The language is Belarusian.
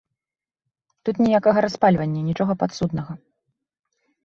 Тут ніякага распальвання, нічога падсуднага.